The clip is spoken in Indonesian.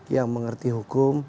yang mengerti hukum